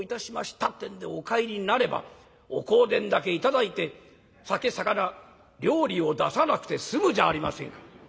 ってんでお帰りになればお香典だけ頂いて酒さかな料理を出さなくて済むじゃありませんか」。